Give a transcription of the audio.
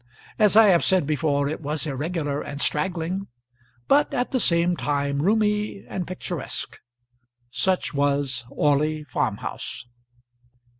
As I have said before, it was irregular and straggling, but at the same time roomy and picturesque. Such was Orley Farm house.